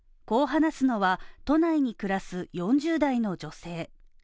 こう話すのは都内に暮らす４０代の女性。